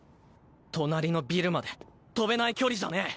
隣のビルまで飛べない距離じゃねぇ。